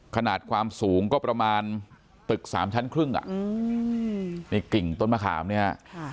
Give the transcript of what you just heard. ขนาดความสูงก็ประมาณตึกสามชั้นครึ่งอ่ะอืมนี่กิ่งต้นมะขามเนี่ย